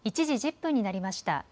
１時１０分になりました。